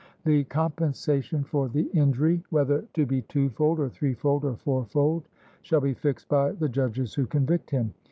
The compensation for the injury, whether to be twofold or threefold or fourfold, shall be fixed by the judges who convict him.